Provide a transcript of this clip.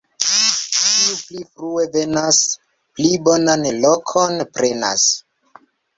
Kiu pli frue venas, pli bonan lokon prenas.